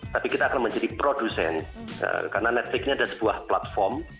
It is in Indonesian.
tapi kita akan menjadi produsen karena netflix ini ada sebuah platform